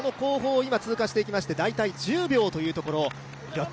更にその後方を通過していきまして、大体１０秒というところ。